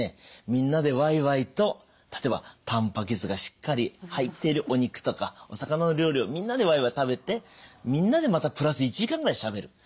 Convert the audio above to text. みんなでわいわいと例えばたんぱく質がしっかり入っているお肉とかお魚の料理をみんなでわいわい食べてみんなでまたプラス１時間ぐらいしゃべる。